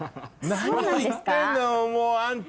何を言ってんのもうあんた。